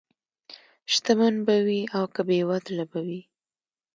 شتمن به وي او که بېوزله به وي.